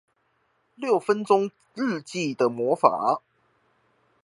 六分鐘日記的魔法